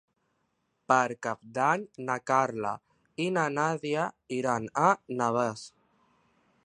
Per Cap d'Any na Carla i na Nàdia iran a Navès.